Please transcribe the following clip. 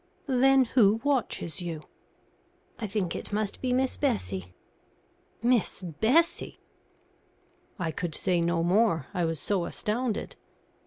"Then who watches you?" "I think it must be Miss Bessie." "Miss Bessie!" I could say no more, I was so astounded.